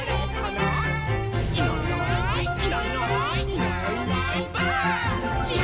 「いないいないばあっ！」